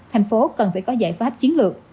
thành phố cần phải có giải pháp chiến lược